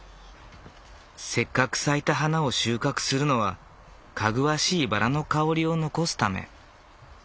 せっかく咲いた花を収穫するのはかぐわしいバラの香りを残すため。